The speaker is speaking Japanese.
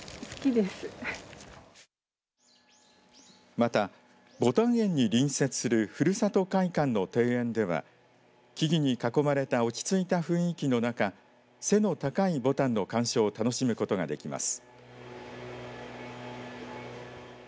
また、ぼたん園に隣接するふるさと会館の庭園では木々に囲まれた落ち着いた雰囲気の中背の高いぼたんの鑑賞を楽しむことができます。